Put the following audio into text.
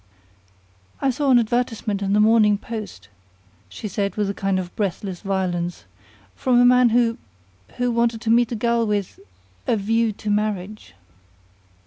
"I saw an advertisement in the Morning Post," she said with a kind of breathless violence, "from a man who who wanted to meet a girl with a 'view to marriage.'"